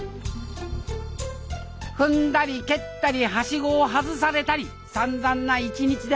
踏んだり蹴ったりはしごを外されたりさんざんな一日でありました